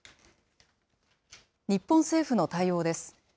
日本政府の対応です。